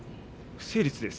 不成立です。